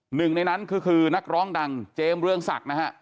หนึ่งในนั้นคือนักร้องดังเจมส์เรืองศักดิ์นะฮะ